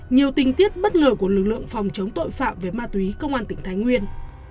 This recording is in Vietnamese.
nhiều tình tiết bất ngờ của lực lượng phòng chống tội phạm về ma túy công an tỉnh thái nguyên